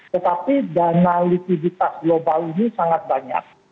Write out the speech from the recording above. tetapi dana likuiditas global ini sangat banyak